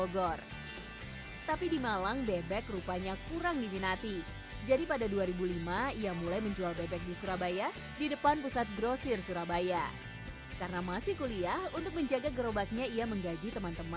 kalau acara acara seperti ada fun bike segala macam